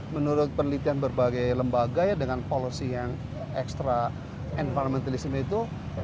menurut penelitian berbagai lembaga ya dengan policy yang extra environmentalism itu